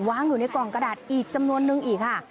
อยู่ในกล่องกระดาษอีกจำนวนนึงอีกค่ะ